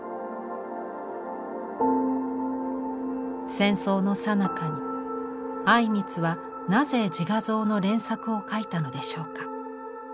戦争のさなかに靉光はなぜ自画像の連作を描いたのでしょうか。